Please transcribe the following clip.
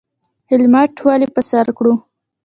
هیلمټ ولې په سر کړو؟